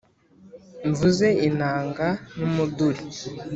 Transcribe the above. mvuze inanga n’umuduri